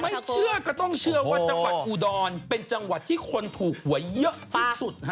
ไม่เชื่อก็ต้องเชื่อว่าจังหวัดอุดรเป็นจังหวัดที่คนถูกหวยเยอะที่สุด